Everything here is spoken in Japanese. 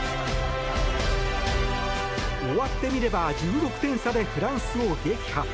終わってみれば１６点差でフランスを撃破。